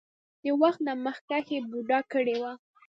د وخت نه مخکښې بوډا کړے وۀ ـ